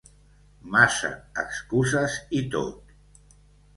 Massa excuses i tot.